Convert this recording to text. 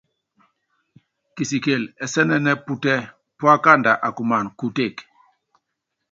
Kisikili ɛsɛnɛnɛ́ putɛ́, púákandu akumana kutek.